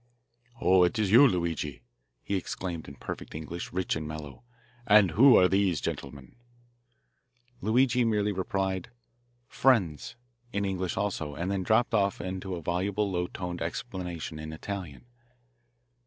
"Oh, it is you, Luigi," he exclaimed in perfect English, rich and mellow. "And who are these gentlemen?" Luigi merely replied, "Friends," in English also, and then dropped off into a voluble, low toned explanation in Italian.